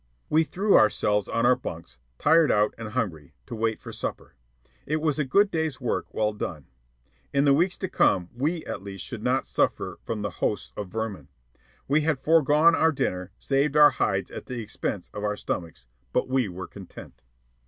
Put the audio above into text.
We threw ourselves on our bunks, tired out and hungry, to wait for supper. It was a good day's work well done. In the weeks to come we at least should not suffer from the hosts of vermin. We had foregone our dinner, saved our hides at the expense of our stomachs; but we were content.